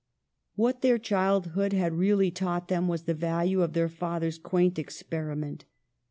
What their childhood had really taught them was the value of their father's quaint experi ment.